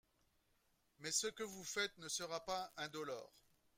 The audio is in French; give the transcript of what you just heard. Mais ce que vous faites ne sera pas indolore.